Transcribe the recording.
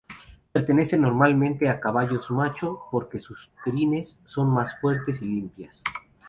Pertenecen normalmente a caballos macho, porque sus crines son más fuertes y limpias.